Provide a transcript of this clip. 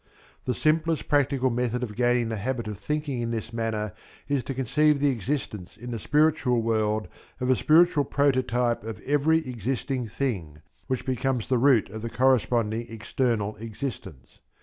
The simplest practical method of gaining the habit of thinking in this manner is to conceive the existence in the spiritual world of a spiritual prototype of every existing thing, which becomes the root of the corresponding external existence.